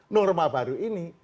norma baru ini